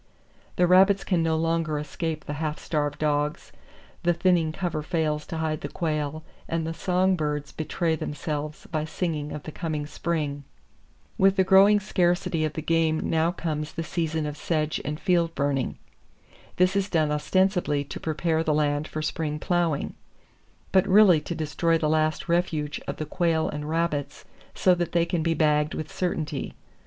The rabbits can no longer escape the half starved dogs, the thinning cover fails to hide the quail and the song birds betray themselves by singing of the coming spring. With the growing scarcity of the game now comes the season of sedge and field burning. This is done ostensibly to prepare the land for spring plowing, but really to destroy the last refuge of the quail and rabbits so that they can be bagged with certainty.